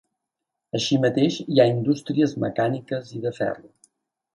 Així mateix, hi ha indústries mecàniques i de ferro.